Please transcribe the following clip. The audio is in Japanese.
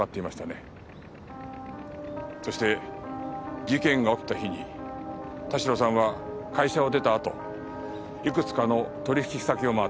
そして事件が起きた日に田代さんは会社を出たあといくつかの取引先を回った。